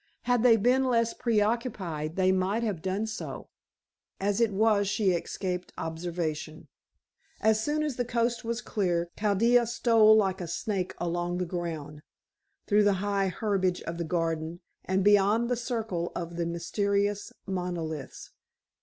Had they been less pre occupied, they might have done so; as it was she escaped observation. As soon as the coast was clear, Chaldea stole like a snake along the ground, through the high herbage of the garden, and beyond the circle of the mysterious monoliths.